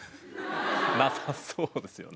なさそうですよね。